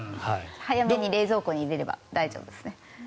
早めに冷蔵庫に入れれば大丈夫ですね。